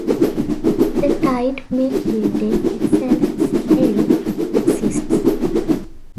The tide mill building itself still exists.